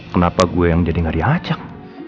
kenapa gue yang jadi ngeri acak